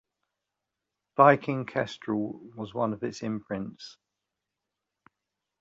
Viking Kestrel was one of its imprints.